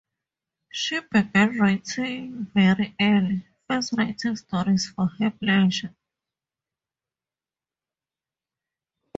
She began writing very early, first writing stories for her pleasure.